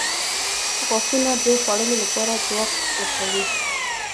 • غاښونه د خوړلو لپاره ځواک ورکوي.